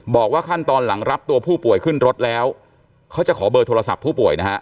บอกว่าขั้นตอนหลังรับตัวผู้ป่วยขึ้นรถแล้วเขาจะขอเบอร์โทรศัพท์ผู้ป่วยนะฮะ